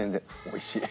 おいしい。